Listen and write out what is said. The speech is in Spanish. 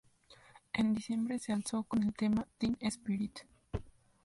En diciembre se alzó con el tema ""Teen Spirit"".